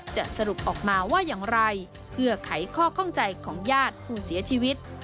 จะสรุปออกมาว่าอย่างไรเพื่อไขข้อข้องใจของญาติผู้เสียชีวิต